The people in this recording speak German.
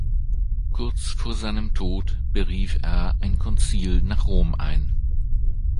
Kurz vor seinem Tod berief er ein Konzil nach Rom ein.